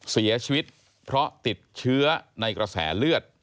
เสียชีวิตเพราะติดเชื้อในกระแสเลือด